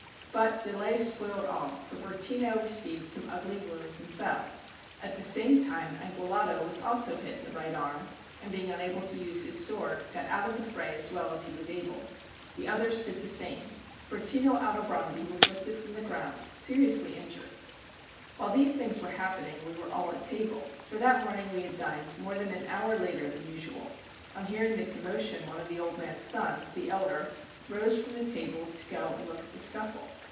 But delay spoiled all: for Bertino received some ugly wounds and fell; at the same time Anguillotto was also hit in the right arm, and being unable to use his sword, got out of the fray as well as he was able. The others did the same. Bertino Aldobrandi was lifted from the ground seriously injured. While these things were happening we were all at table; for that morning we had dined more than an hour later than usual. On hearing the commotion one of the old man's sons, the elder, rose from table to go and look at the scuffle.